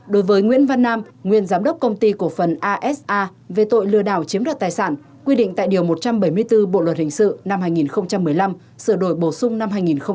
đối với nguyễn văn nam nguyên giám đốc công ty cổ phần asa về tội lừa đảo chiếm đoạt tài sản quy định tại điều một trăm bảy mươi bốn bộ luật hình sự năm hai nghìn một mươi năm sửa đổi bổ sung năm hai nghìn một mươi bảy